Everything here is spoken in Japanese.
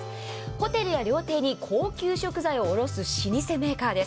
ホテルや料亭に高級食材を卸す老舗メーカーです。